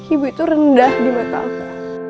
ibu itu rendah di mata allah